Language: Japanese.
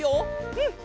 うん！